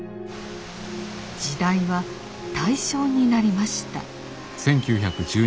時代は大正になりました。